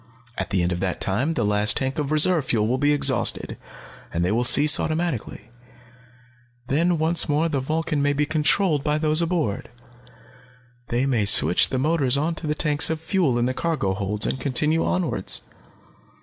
"At the end of that time the last tank of reserve fuel will be exhausted, and they will cease automatically. Then once more the Vulcan may be controlled by those aboard. They may switch the motors onto the tanks of fuel in the cargo holds, and continue onwards.